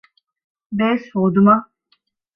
ބޭސް ހޯދުމަށް